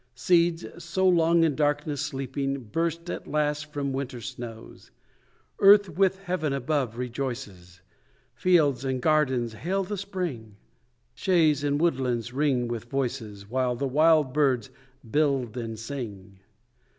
Seeds, so long in darkness sleeping, Burst at last from winter snows. Earth with heaven above rejoices; Fields and gardens hail the spring; Shaughs and woodlands ring with voices, While the wild birds build and sing.